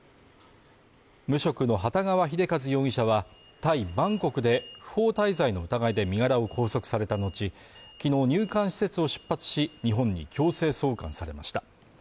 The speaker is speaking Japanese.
無職の幟川秀一容疑者は、タイ・バンコクで不法滞在の疑いで身柄を拘束された後、昨日入管施設を出発し、日本に強制送還されました。